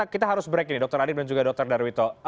kita harus break ini dokter adip dan juga dr darwito